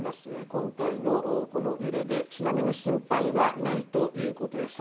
今回のこの揺れで津波の心配はないということです。